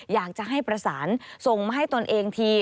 อยากจะให้ประสานส่งมาให้ตนเองที